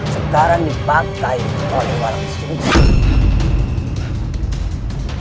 sekarang dipakai oleh warga suci